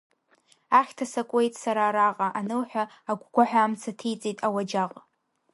Ахьҭа сакуеит сара араҟа, анылҳәа, агәгәаҳәа амца ҭеиҵеит ауаџьаҟ.